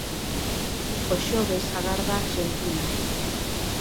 O xoves agarda Arxentina.